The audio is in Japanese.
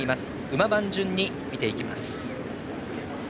馬番順に見ていきます。